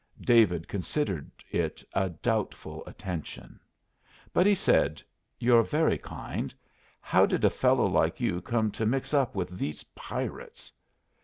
David considered it a doubtful attention. But he said, "You're very kind. How did a fellow like you come to mix up with these pirates?"